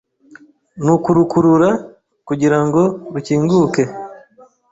nukurukurura kugira ngo rukinguke